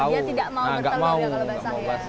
oh dia tidak mau bertelur ya kalau basah ya